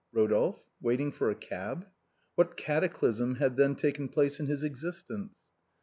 Rodolphe waiting for a cab? What cataclysm had then taken place in his existence?